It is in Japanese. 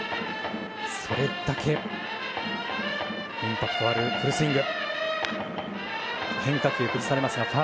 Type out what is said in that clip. それだけインパクトあるフルスイング。